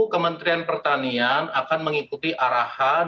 kementerian pertanian akan mengikuti arahan